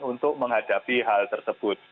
untuk menghadapi hal tersebut